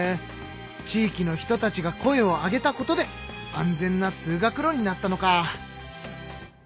地域の人たちが声を上げたことで安全な通学路になったのか。